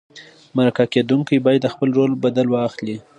مرکه کېدونکی باید د خپل رول بدل واخلي.